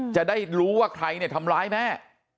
จะได้รู้ว่าใครเนี่ยทำร้ายแม่